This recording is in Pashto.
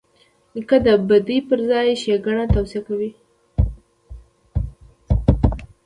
نیکه د بدۍ پر ځای ښېګڼه توصیه کوي.